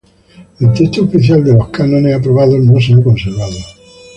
El texto oficial de los cánones aprobados no se ha conservado.